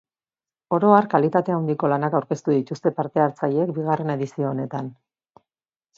Oro har, kalitate handiko lanak aurkeztu dituzte parte-hartzaileek bigarren edizio honetan.